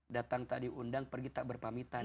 datang tak diundang pergi tak berpamitan